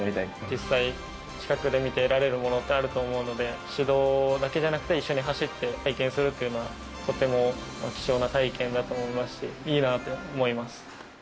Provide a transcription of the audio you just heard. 実際、近くで見て得られるものってあると思うので、指導だけじゃなくて、一緒に走って体験するというのは、とても貴重な体験だと思いますし、いいなって思います。